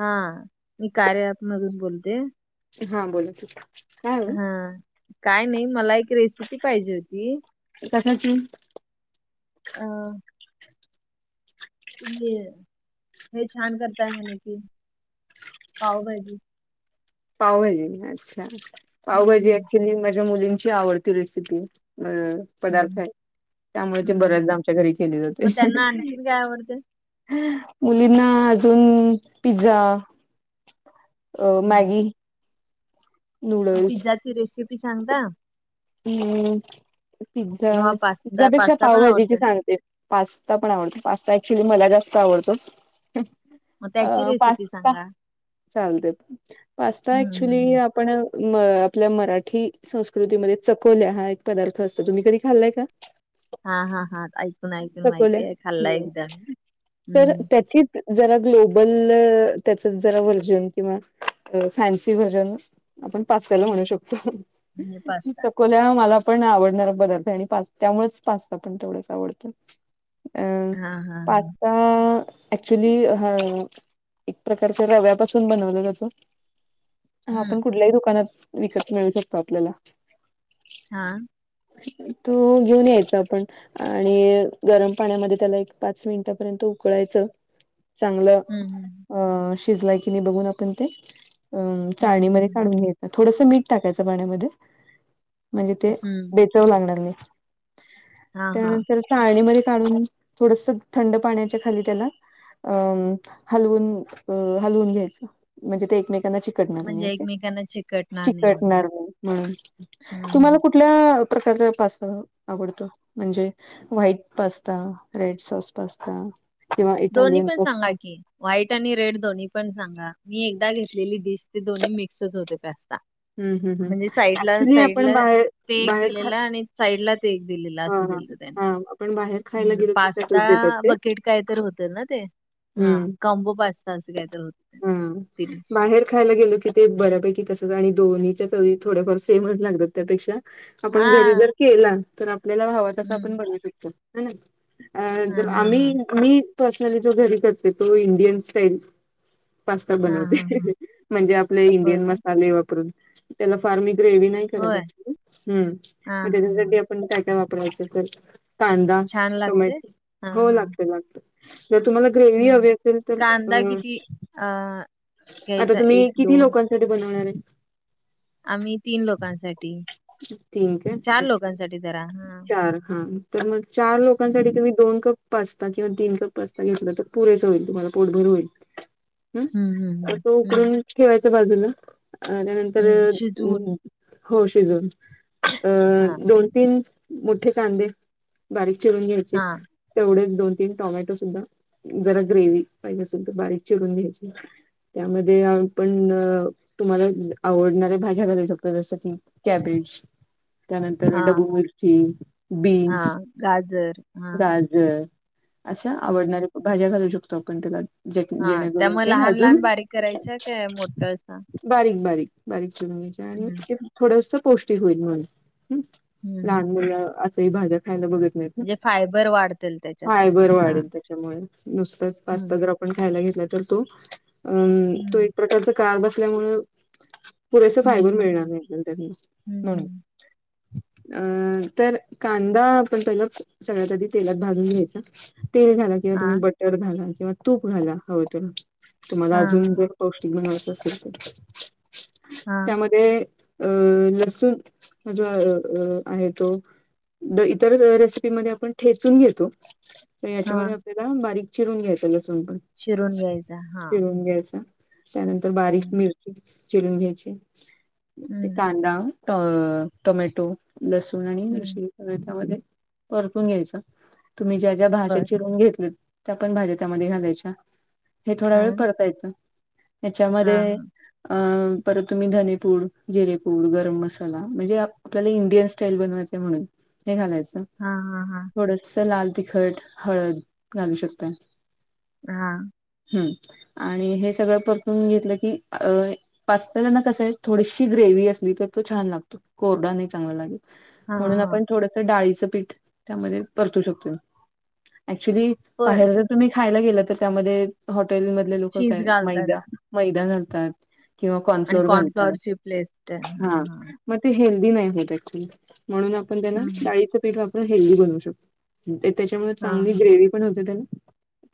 हा मी कार्या मधून बोलते. हा बोला ठीक आहे. हा काय नाही मला एक रेसिपी पाहिजे होती. कशी ची अ तुम्ही हे छान करताय म्हणे कि पाऊ पाहिजे. पावभाजी अच्छा पावभाजी हम्म अखखी म मुलींची आवडती रेसिपी अ. पदार्थ हम्म आहे त्यामुळे ते हम्म बर्याचदा आमच्या घरी केले मग जाते. त्यांना आणखीन काय आवडते मुलींना अजून पिझ्झा अ हम्म मॅगी? नूडल्स पिझ्झाची रेसिपी सांगता. हम्म पिझ्झा किंवा पिझ्झा पास्ता पेक्षा पास्ता पण पावभाजीची आवडतो ना सांगते. पास्ता पण आवडतो पास्ता ऍक्च्युली मला जास्त आवडतो मग अ त्याची रेसिपी पास्ता सांगा चालतय पास्ता हम्म हम्म ऍक्चुली हम्म. आपण म आपल्या मराठी संस्कृतीमध्ये? चकोल्या हा एक पदार्थ असतो तुम्ही कधी खाल्लाय का? हा हा हा ऐकून ऐकून चकोल्या माहिती आहे खाल्लाय हम्म एकदा तर हम्म त्याचीच जरा ग्लोबल त्याच जरा व्हर्जन किंवा फॅन्सी व्हर्जन आपण पाचव्याला म्हणू शकतो? हो पास्ता हे बघा मला पण आवडणार पदार्थ आणि त्यामुळेच पास्ता पण तेवढंच आवडतो अम हा हा हा पास्ता आता एक्च्युली हा एक प्रकारच्या रव्यापासून बनवला जातो हा आपण हम्म कुठल्याही दुकानात विकत मिळू शकतो आपल्याला! हा तो घेऊन यायच आपण आणि गरम पाण्यामध्ये त्याला एक पाच मिनिटापर्यंत उकळायचं. चांगलं हम्म अ शिजलाय कि नाही बघून आपण ते अ हम्म हम्म चाळणीमध्ये हम्म हम्म काढून घ्यायच थोडसं मीठ टाकायचं पाण्यामध्ये म्हणजे ते हम्म बेचव लागणार नाही हां, हां. त्यानंतर चाळणीमध्ये काढून थोडस थंड पाण्याच्या खाली त्याला अ हलवून अ हलवून घ्यायचं म्हणजे ते एकमेकांना चिकट चिकटणार नाही म्हणजे ओके एकमेकांना चिकटणार नाही म्हणून. चिकटणार नाही हम्म हं, तुम्हाला हं. पण कुठंल प्रकारच पास आवडत म्हणजे white pasta, red sauce pasta किंवा दोन्ही इटालियन पण सांगा पास्ता की. व्हाईट आणि रेड दोन्ही पण सांगा मी एकदा घेतलेली डिश ते दोन्ही मिक्सच होते पास्ता हं, हं, हं. म्हणजे साईडला ऍक्च्युली आपण साईडला बाहेर ते एक बाहेर खा दिलेला आणि साईडला ते एक दिलेल अस हां, हां. दिलं हां, आपण बाहेर खायला त्यानी गेलो की तसंच पास्ता देतात ते. बकेट काय तर होत. ते हा हं, कांम्बो पास्ता असं काय तर होत हां. ते डिश बाहेर खायला गेलो की ते बऱ्यापैकी तसच आणि दोन्हीच्या चवी थोड्याफार सेमच लागतात त्यापेक्षा आपण घरी हां. जर केला तर आपल्याला हवा तसा हं. आपण बनवू शकतो ह्य ना अ हां, जर हां, आम्ही हां. मी पर्सनली जो घरी करते तो इंडियन स्टाईल पास्ता हां, हां, बनवते हां. म्हणजे आपले होय इंडियन काय? मसाले वापरून त्याला फार मी ग्रेव्ही नाही करत होय. हं हां, मग हां, हां. त्याच्यासाठी पण काय काय वापरायचं अस कांदा छान लागते? टोमॅटो हां, हो हां. लागत लागत जर तुम्हाला ग्रेव्ही हं. हवी असेल तर कांदा अ किती अ आता घ्यायचा तुम्ही एक, किती दोन लोकांसाठी बनवणार आहे. आम्ही तीन लोकांसाठी तीन काय चार अच्छा लोकांसाठी धरा हा चार हा तर मग चार हम्म लोकांसाठी तुम्ही दोन कप पास्ता किंवा तीन कप पास्ता घेतला तर पुरेस होईल तुम्हाला पोटभर होईल. हम्म तो उकडून ठेवायच बाजूला अ त्यानंतर हम्म शिजवून हो शिजवून हा अं दोन तीन मोठे कांदे बारीक चिरून घ्यायचे. हा तेवढेच दोन तीन टोमॅटो सुद्धा जरा ग्रेव्ही पाहिजे असेल तर बारीक चिरून घ्यायची. त्यामध्ये आपण तुम्हाला आवडणारे भाज्या घालायच्या जसं की कॅबेज त्यानंतर हा डबू [unintelligible] हा बीन्स गाजर हा डाळ [unintelligible] असं हम्म आवडणाऱ्या भाज्या घालू शकतो आपण त्याला जे हा जेणेकर त्या मग ते लहान अजून लहान बारीक करायच्या काय मोठ [unintelligible] असा बारीक -बारीक -बारीक चिरूण घ्यायचे आणि हम्म ते थोडंस पोष्टिक होईल म्हणून हम्म लहान हम्म मुलं असं ही भाज्या खायला बघत म्हणजे [unintelligible] फायबर वाढतील त्याच्यातून फायबर हा वाढेल त्याच्यामुळे नुसतच हम्म पास्ता आपण खायला घेतला तर तो अ तो हम्म एक प्रकार च का असल्यामुळे पुरेस हम्म फायबर मिळणार हम्म नाही त्यातून म्हणून हम्म अं तर कांदा आपण पहिला सगळ्यात आधी तेलात भाजून घ्यायचा. तेल घाला किंवा हा तुम्ही बटर घाला किंवा तूप घाला हव तर तुम्हाला हा अजून जर पौष्टिक बनवायचा [inaudible] असेल तर हा [unintelligible] त्यामध्ये अ लसुन [unintelligible] अज अ आहे तो इतर रेसिपीमध्ये [unintelligible] आपण ठेचून घेतो. [unintelligible] तर हा हा याच्यामध्ये आपल्याला बारीक चिरून घ्यायचं लसूण पण चिरून घ्यायचा हा चिरून घ्यायचा त्यानंतर बारीक हम्म मिरची चिरून घ्यायची ते हम्म कांदा अ टोमॅटो लसूण आणि हम्म मिरची त्यामध्ये परतून घ्यायचं तुम्ही ज्या -ज्या भाज्या बर चिरून घेतल्यात त्या पण भाज्या त्यामध्ये घालायच्या हे थोडा वेळ अ परतायचं त्याच्यामध्ये हां, अ परत तुम्ही धनेपूड जिरेपूड गरम मसाला म्हणजे आपल्याला इंडियन स्टाईल बनवायच म्हणून हे घालायचं. हा -हां हा थोडस लाल तिखट हळद घालू शकता. हा हम्म आणि हे सगळं परतून घेतलं की अ पास्ताला ना कसं आहे थोडीशी ग्रेव्ही असली तर तो छान लागतो कोरडा नाही चांग चांगला लागत म्हणून हां, हां. आपण थोडसं डाळीचं पीठ त्यामध्ये परतू शकतोय ऍक्चुली पण बाहेर ज तुम्ही खायला गेला तर त्यामध्ये हॉटेल मधले लोक चीज काय घालतात मैदा- मैदा घालतात. किंवा आणि कॉर्नफ्लोर घालतात कॉर्नफ्लॉवरची पेस्ट. हा हां, हां. - मग ते हेल्दी नाही होत ऍक्च म्हणून आपण त्याना हं. डाळीचं पीठ वापरून हेल्दी बनवू शकतो. त्याच्यामध्ये हां, चांगली हां. ग्रेव्ही - पण होत त्या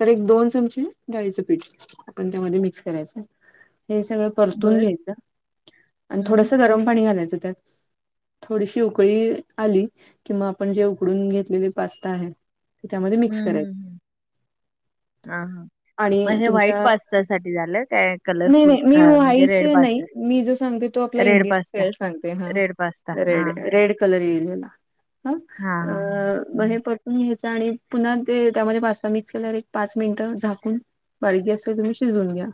तर एक दोन चमचे डाळीचं पीठ आपण त्यामध्ये मिक्स करायचं. हे सगळं परतून बरं. घ्यायचं आणि हं. थोडस गरम पाणी घालायचं त्यात थोडीशी उकळी आली किंवा आपण जे उकडून घेतलेली पास्ता आहे. त्याच्यामध्ये मिक्स करायच. हा- हा आणि तुमच्या काय नाही कलरफुल नाही अ, मी म्हणजे वाईट रेड नाही पास्ता? मी जो सांगते. तो आपला रेड पास्ता, इंडियन [unintelligible] सांगते हा रेड पास्ता. हां. रेड- रेड कलर येईल ना ह हां, हां, हां. अ हं. म्ह परतून घ्यायचा आणि पुन्हा ते त्यामध्ये पास्ता मिक्स केल्यावर एक पाच मिनिट झाकून [unintelligible] असल तर तुम्ही शिजवून घ्या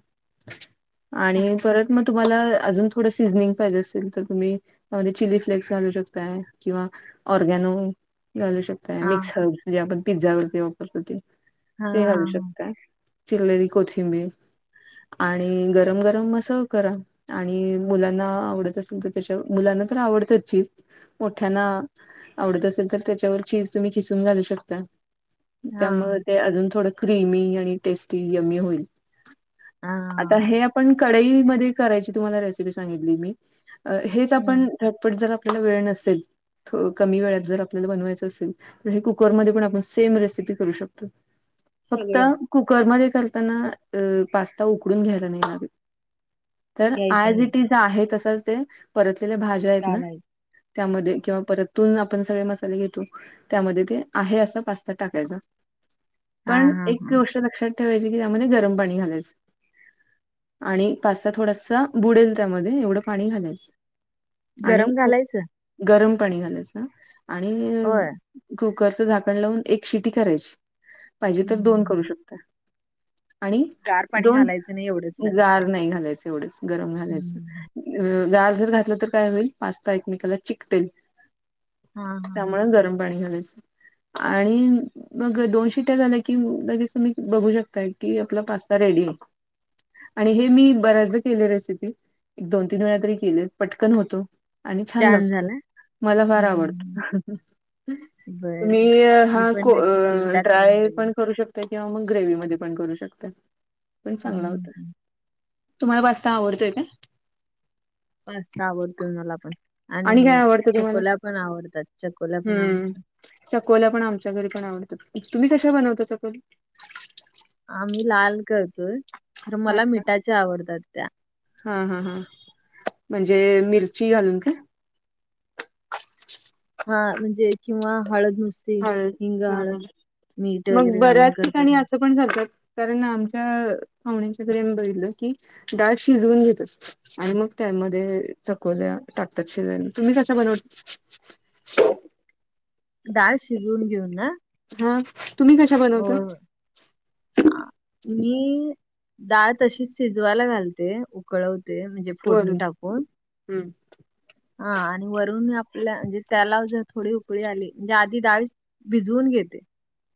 आणि परत म तुम्हाला अजून थोडस ड्रिंक पाहिेजे असल तर तुम्ही त्यामध्ये चिली फ्लेक्स घालू शकताय किंवा ऑरगॅनो घालू शकताय, मिक्स हां. हर्ब्स. म्हणजे आपण पिझ्झावरचे वापरतो ते, हां, ते घालू हां, हां. शकताय चिरलेली कोथिंबीर, आणि गरम -गरम म, असं करा. आणि मुलांना आवडत असेल तर त्येच, मुलांना तर आवडत्यात चिज. मोठ्यांना, आवडत असेल तर त्याच्यावर चीज तुम्ही खिसून घालू शकता. त्यामुळे हां. ते अजून थोडं क्रेमी आणि टेस्टी यमी होईल. हा. आता हे आपण कढईमध्ये करायची तुम्हाला रेसिपी सांगितली मी, हेच हं. आपण पट -पट, जर आपल्याला वेळ नसेल, थोड कमी वेळात जर आपल्याला बनवायचं असेल. हे कुकरमध्ये पण आपण सेम रेसिपी करू शकतोय. फक्त सगळं कुकरमध्ये घालताना, अ पास्ता उकडून घ्यायला नाही लागतं. तर घ्यायचं आज ही नाही, ती आहे तसंच ते, परतलेले भाज्या आहेत ना. घालायचं. त्यामध्ये किंवा परतून आपण सगळे मसाले घेतो. त्यामध्ये ते, आहे असं पास्ता टाकायचा. पण हां, हां, एक हां. गोष्ट लक्षात ठेवायचे की त्यामध्ये गरम पाणी घालायचं. आणि पास्ता थोडासा बुडेल त्यामध्ये, एवढं पाणी घालायचं. आणि गरम कु, घालायचं? गरम पाणी घालायचं आणि होय. कुकरचं झाकण लावून एक शिटी करायची, पाहिजे हं, तर दोन हं. करू शकताय. आणि गार पाणी दोन, घालायचं नाही एवढंच लक्ष गार नाही घालायच एवढंच. गरम घालायच, हम्म गार जर घातलं तर काय होईल पास्ता एकमेकाला चिकटेल. हा हा त्यामुळेच गरम पाणी घालायचं. आणि मग दोन शिट्ट्या झाल्या की लगेच तुम्ही बघू शकताय, की आपला पास्ता रेडी हाय. आणि हे मी बऱ्याचदा केलीया रेसिपी, एक दोन -तीन वेळा तरी केलीया, पटकन होतो. आणि छान लागत, मला फार हम्म आवडत. हम्म, हम्म. बर बर तुम्ही मी हा, पण क, नक्की एकदा करून ड्राय बघेन पण करू शकता. तेंव्हा मग ग्रेवि मध्ये पण करू शकताय, पण चांगला हम्म होतोय हम्म. तुम्हाला पास्ता आवडतोय काय? पास्ता आवडतो मला पण, काय आणि आवडतं तुम्हाला? चकोल्या पण आवडत्यात, चकोल्या पण हम्म. आवडत्यात. चकोल्या पण आमच्या घरी पण आवडत्यात, तुम्ही कशा बनवता चकोली? आम्ही लाल करतोय, खरं मला मिठाच्या आवडतात त्या. हा, हा, हा म्हणजे मिरची घालून काय? हा, म्हणजे किंवा हळद नुसत हळद. हिंग, हां हाळद, हां. मीठ वगैरे घालून करतात ना. घालत्यात, कारण आमच्या पाहूण्याच्या घरी आम्ही बघितलं की, डाळ शिजवून घेतात. आणि मग त्यामध्ये चकोल्या टाकतात शिजायला. तुम्ही कशा बनवता? [unintelligible] डाळ शिजवून घेऊन ना? हा तुम्ही कशा बनवता होय, होय, आं मी डाळ तशीच शिजवायला घालते, उकळवते म्हणजे फोडणी वरून, टाकून हम्म. हा आणि वरून आपल्या म्हणजे त्याला जर थोडी उकळी आली, म्हणजे आधी डाळी भिजवून घेते.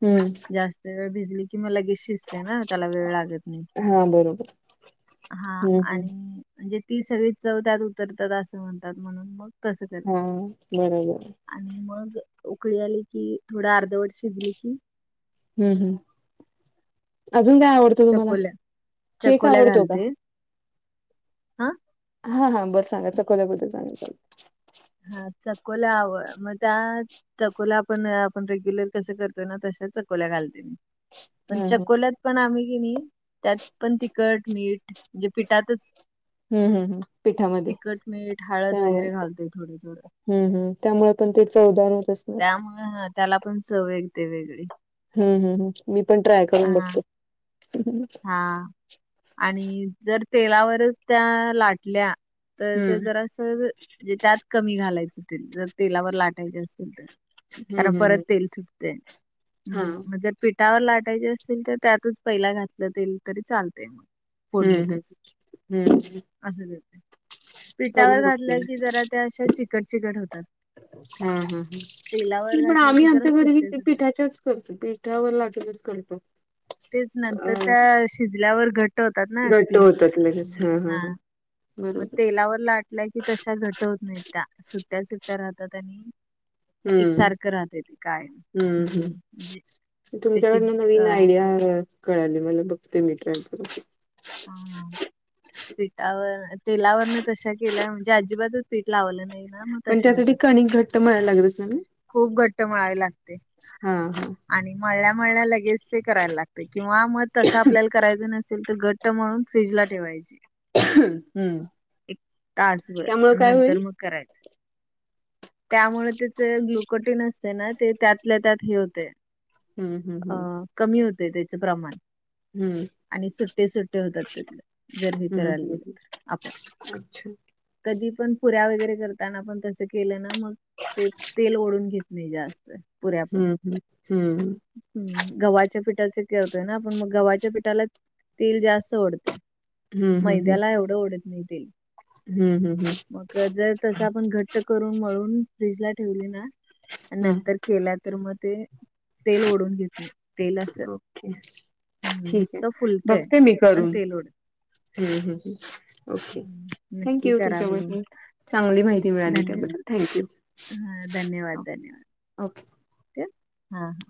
हम्म. अह भिजली की म लगेच शिजते ना. त्याला वेळ लागत नाही. हा बरोबर हा हम्म हम्म आन म्हणजे ती सगळी चव त्यात उतरतात असं म्हणतात म्हणून मग तसं कर हो बरोबर. आणि मग उकळी आली कि थोडं अर्धवट शिजली की हम्म हम्म अजून काय आवडतो तुम्हाला? चकोल्या केक चकोल्या आवडतो का? घालते हा हा हा बस [unintelligible] हा चकोल्या आवड मग त्यात चकोला आपण आपण रेग्युलर कस करतोय ना तशा चकोल्या घालते मी पण हा हा चकोल्यात पण आम्ही की नाही त्यात पण तिखट, मीठ म्हणजे पिठातच हम्म हम्म हम्म पिठामध्ये तिखट मीठ हळद वगैरे त्यामुळे घालतोय थोडं थोडं हम्म हम्म त्यामुळे पण ते चवदार होत असणार हा हा त्याला पण चाव येते वेगळी हम्म हम्म हम्म मी पण ट्राय करून हा बघते. हा आणि जर तेलावरच त्या लाटल्या तर ते हम्म जरास म्हणजे त्यात कमी घालायचं तेल जर तेलावर लाटायचे असतील तर. कारण हम्म परत हम्म तेल सुटते हा हम्म म्हणजे. पिठावर लाटायचे असेल तर त्यातच पहिला घातलं तेल तरी चालतय मग. हम्म हम्म फोडणीतच हम्म असच आहे ते. पिठावर करून बघते घातल की जरा त्या अश्या चिकट चिकट होतात. हा हा हा तेलावर पण घातल्या आम्ही की जरा आमच्या घरी सुट्टे हे सुट्टे पिठाच्याच करतो. पीठावर लाटूनच करतो. तेच नंतर अ त्या शिजल्यावर घट्ट होतात ना अगदी जे हा मग बरोबर तेलावर लाटलंय की तशा घट होत नाही त्या सुट्टया सुट्टया राहतात आणि हम्म एकसारखं राहत काय हम्म म्हणजे त्याची तुमच्याकडनं अ नवीन आयडिया कळाली मला बघते मी ट्राय करून हां. पीठावर, तेलावरन तशा केल्या म्हणजे अजिबातच पीठ लावलं नाही. ना मग पण तशा त्यासाठी होतात. कणीक घट्ट मळायला लागत असेल ना? खूप घट्ट मळायला लागते. हा हा. आणि मळल्यामळल्या लगेच ते करायला लागतंय किंवा मग तसं आपल्याला करायचं नसेल तर घट ट्ट मळून फ्रीजला ठेवायचे. हम्म एक तासभर त्यामुळे काय नंतर होईल मग करायच. त्यामुळे त्याचे ग्लुकोटीन असतेना ते त्यातल्या त्यात हे होते हम्म हम्म अ हम्म. कमी होते त्याच प्रमाण हम्म. आणि सुट्टे सुट्टे होतात त्यातलं जर हे हम्म हम्म करायला गेलं हम्म तर आपण. अच्छा. कधी पण पुऱ्या वगैरे करताना आपण तसं केलं ना मग ते तेल ओढून घेत नाही जास्त हम्म हम्म हम्म. हम्म. गव्हाच्या पिठाचे करतंय ना आपण मग गव्हाच्या पिठाला तेल जास्त ओढते. हम्म हम्म हम्म मैद्याला एवढं ओढत नाही तेल. हम्म.. हम्म.. हम्. मग जरतस आपण घट्ट करून मळून फ्रीजला ठेवली ना हा [inaudible] केला तर मगते. तेल ओढून घेते. ओके, ठीकआहे. नुसतं फुलतय बघते मी पण करून. तेल ओढत हम्म.. हम्.. हंम.. ओके. हम्म, नक्की थँक्यू करा बघून तुमच्याकडून चांगली माहिती मिळाली. धन्यवाद त्याबद्दल थँक्यू. [inaudible] धन्यवाद [inaudible] धन्यवाद ओके हा हा